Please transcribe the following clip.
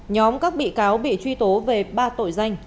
nhóm các bị cáo bị truy tố về ba tội danh